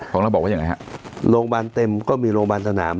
โรงพยาบาลเต็มก็มีโรงพยาบาลธนาม